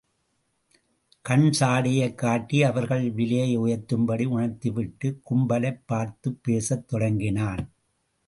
கண் சாடையைக் காட்டி அவர்களை விலையை உயர்த்தும்படி உணர்த்திவிட்டுக் கும்பலைப் பார்த்துப் பேசத் தொடங்கினான்.